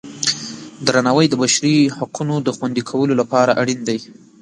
درناوی د بشري حقونو د خوندي کولو لپاره اړین دی.